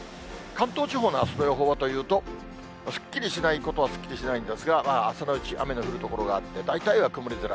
関東地方のあすの予報はというと、すっきりしないことはすっきりしないんですが、朝のうち、雨の降る所があって、大体は曇り空。